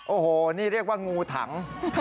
โอ้โหนี่เรียกว่างูถัง